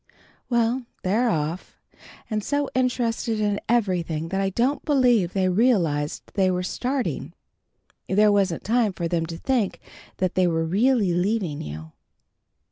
Well, they're off, and so interested in everything that I don't believe they realized they were starting. There wasn't time for them to think that they were really leaving you."